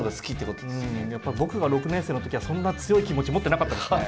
うんやっぱり僕が６年生の時はそんな強い気持ち持ってなかったですね。